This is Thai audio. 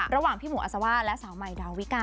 ระหว่างพี่หมู่อสว่ะแล้วสามัยดาวการ์